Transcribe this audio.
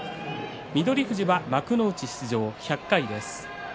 翠富士は幕内出場１００回です。